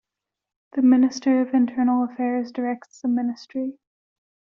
The Minister of Internal Affairs directs the ministry.